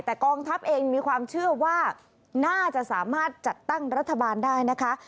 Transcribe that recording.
แต่กองทัพเองมีความเชื่อว่าน่าจะสามารถจัดตั้งรัฐบาลได้นะคะ